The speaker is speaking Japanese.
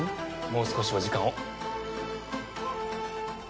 もう少しお時間を。